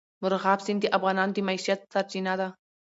مورغاب سیند د افغانانو د معیشت سرچینه ده.